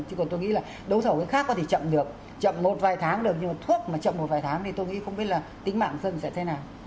chứ còn tôi nghĩ là đấu thầu cái khác có thể chậm được chậm một vài tháng được nhưng mà thuốc mà chậm một vài tháng thì tôi nghĩ không biết là tính mạng dân sẽ thế nào